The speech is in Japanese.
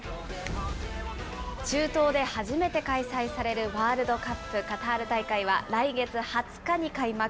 中東で初めて開催されるワールドカップカタール大会は来月２０日に開幕。